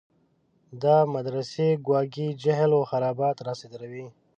دا مدرسې ګواکې جهل و خرافات راصادروي.